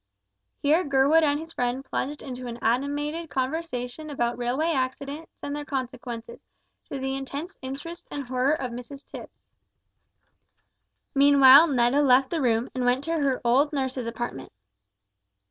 Hereupon Gurwood and his friend plunged into an animated conversation about railway accidents and their consequences, to the intense interest and horror of Mrs Tipps. Meanwhile Netta left the room, and went to her old nurse's apartment.